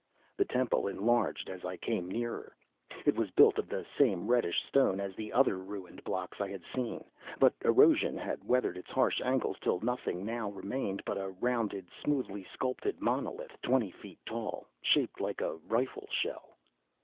The temple enlarged as I came nearer. It was built of the same reddish stone as the other ruined blocks I had seen. But erosion had weathered its harsh angles till nothing now remained but a rounded, smoothly sculptured monolith, twenty feet tall, shaped like a rifle shell.